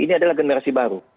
ini adalah generasi baru